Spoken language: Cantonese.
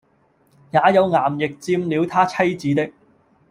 也有衙役佔了他妻子的，